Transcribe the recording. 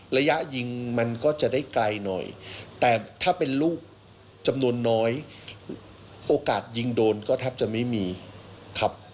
ระยะยิงมันก็จะได้ไกลหน่อยแต่ถ้าเป็นลูกจำนวนน้อยโอกาสยิงโดนก็แทบจะไม่มีครับ